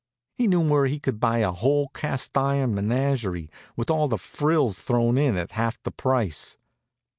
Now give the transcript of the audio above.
He knew where he could buy a whole cast iron menagerie, with all the frills thrown in, at half the price.